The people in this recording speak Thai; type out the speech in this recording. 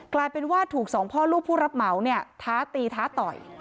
กลายเป็นว่าถูกสองพ่อลูกผู้รับเหมาเนี่ยท้าตีท้าต่อย